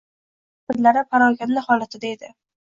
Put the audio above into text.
Xayolu-fikrlari parokanda holatida edi.